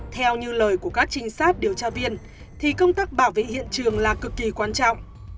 theo như lời của các trinh sát điều tra viên thì công tác bảo vệ hiện trường là cực kỳ quan trọng